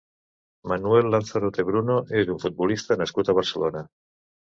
Manuel Lanzarote Bruno és un futbolista nascut a Barcelona.